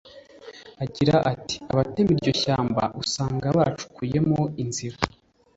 agira ati ”Abatema iryo shyamba usanga baracukuyemo inzina